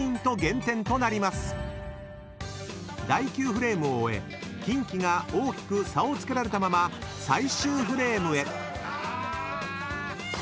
［第９フレームを終えキンキが大きく差をつけられたまま最終フレームへ］